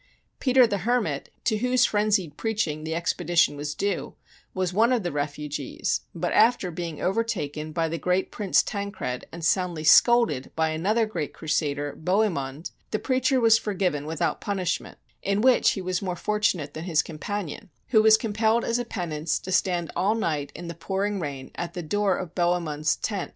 Peter the Hermit, to whose fren zied preaching the expedition was due, was one of the refugees, but after being overtaken by the great Prince Tancred and soundly scolded by another great Crusader, Bohemund, the preacher was for given without punishment — in which he was more fortunate than his companion, who was compelled as a penance to stand all night in the pouring rain at the door of Bohemund's tent.